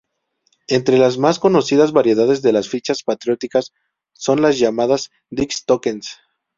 Entre las más conocidas variedades de las fichas patrióticas son las llamadas "Dix tokens.